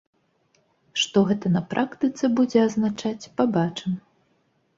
Што гэта на практыцы будзе азначаць, пабачым.